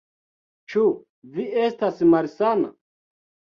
Ĉu vi estas malsana?